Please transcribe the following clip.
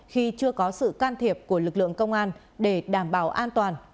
khi chưa có sự can thiệp của lực lượng công an để đảm bảo an toàn